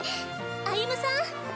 ・歩夢さん！